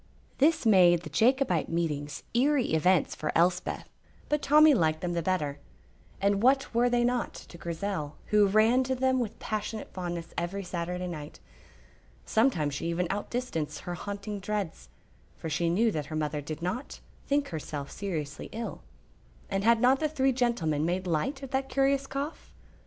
This made the Jacobite meetings eerie events for Elspeth, but Tommy liked them the better; and what were they not to Grizel, who ran to them with passionate fondness every Saturday night? Sometimes she even outdistanced her haunting dreads, for she knew that her mother did not think herself seriously ill; and had not the three gentlemen made light of that curious cough?